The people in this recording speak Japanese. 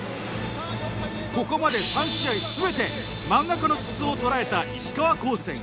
ここまで３試合すべて真ん中の筒を捉えた石川高専Ａ。